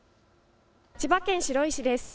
千葉県白井市です。